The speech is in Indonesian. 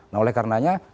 nah oleh karenanya